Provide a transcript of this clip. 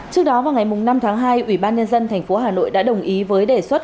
trước đó vào ngày năm tháng hai ubnd tp hà nội đã đồng ý với đề xuất